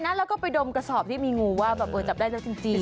แน่ใจนะก็ไปดมกระสอบที่มีงูว่าการจับเป็นจริง